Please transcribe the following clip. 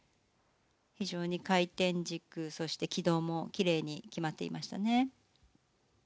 非常に回転軸そして軌道もきれいに決まっていました。